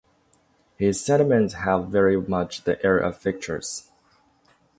His sentiments have very much the air of fixtures.